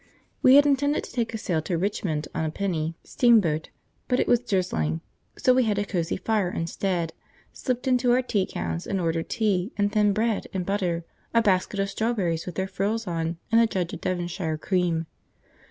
We had intended to take a sail to Richmond on a penny steamboat, but it was drizzling, so we had a cosy fire instead, slipped into our tea gowns, and ordered tea and thin bread and butter, a basket of strawberries with their frills on, and a jug of Devonshire cream.